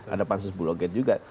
ada pansus buloget juga